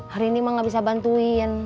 hari ini mah gak bisa bantuin